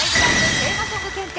テーマソング検定！」